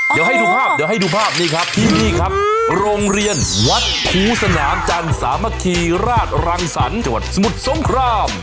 เดี๋ยวให้ดูภาพนี่ครับที่นี่ครับโรงเรียนวัดครูสนามจันทร์สามารถราชรังสรรค์ชาวรสมุทรสงคราม